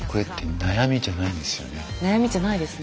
悩みじゃないですね。